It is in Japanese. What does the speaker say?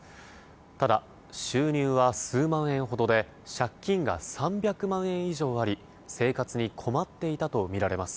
ただ収入は数万円ほどで借金が３００万円以上あり生活に困っていたとみられます。